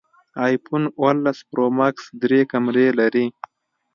ایفون اوولس پرو ماکس درې کمرې لري